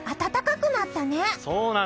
暖かくなったね！